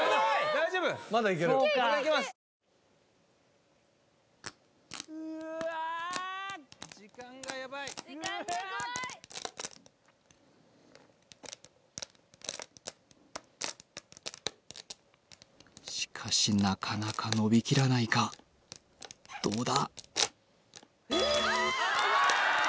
・大丈夫まだいけるいけいけいけしかしなかなか伸びきらないかどうだ？